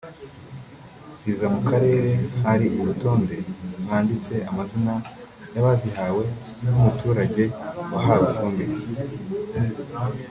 ziza mu Karere hari urutonde mwanditse amazina y’abazihawe n’umuturage wahawe ifumbire